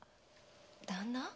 旦那。